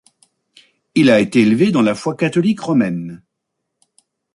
Il a été élevé dans la foi catholique romaine.